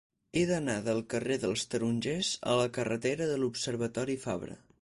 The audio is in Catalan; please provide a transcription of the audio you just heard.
He d'anar del carrer dels Tarongers a la carretera de l'Observatori Fabra.